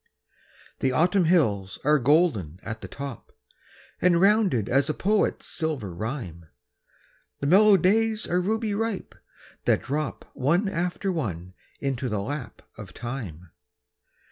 The Autumn hills are golden at the top, And rounded as a poet's silver rhyme; The mellow days are ruby ripe, that drop One after one into the lap of time.